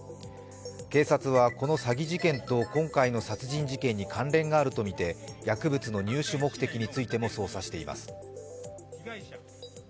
警察はこの詐欺事件と今回の殺人事件に関連があるとみて薬物の入手目的についても捜査しています。